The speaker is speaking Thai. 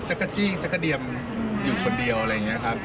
กระจี้จักรเดียมอยู่คนเดียวอะไรอย่างนี้ครับ